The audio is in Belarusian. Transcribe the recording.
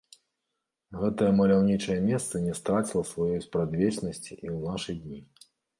Гэтае маляўнічае месца не страціла сваёй спрадвечнасці і ў нашы дні.